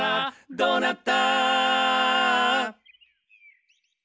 「どうなった！」